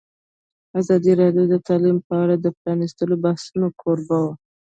ازادي راډیو د تعلیم په اړه د پرانیستو بحثونو کوربه وه.